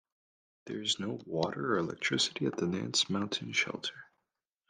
There is no water or electricity at the Nance Mountain Shelter.